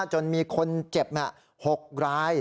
จนมีคนเจ็บ๖ราย